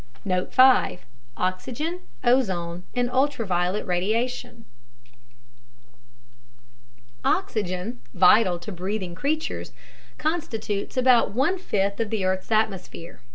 Note 5: Oxygen, Ozone and Ultraviolet Radiation Oxygen, vital to breathing creatures, constitutes about one fifth of the earth's atmosphere.